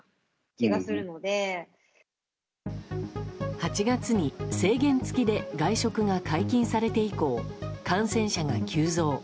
８月に制限付きで外食が解禁されて以降感染者が急増。